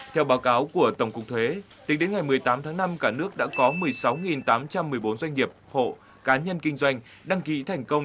theo báo cáo của tổng cục thuế tính đến ngày một mươi tám tháng năm cả nước đã có một mươi sáu tám trăm một mươi bốn doanh nghiệp hộ cá nhân kinh doanh đăng ký thành công